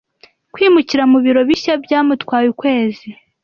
Kwimukira mu biro bishya byamutwaye ukwezi.